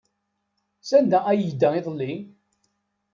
Sanda ay yedda iḍelli?